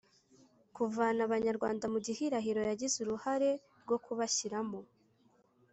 kuvana abanyarwanda mu gihirahiro yagize uruhare rwo kubashyiramo.